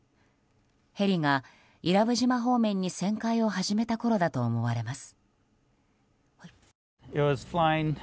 ヘリが伊良部島方面に旋回を始めたころだと思われます。